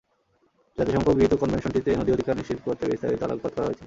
জাতিসংঘ গৃহীত কনভেনশনটিতে নদী অধিকার নিশ্চিত করতে বিস্তারিত আলোকপাত করা হয়েছে।